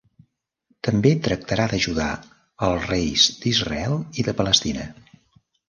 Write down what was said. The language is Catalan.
També tractarà d'ajudar els reis d'Israel i de Palestina.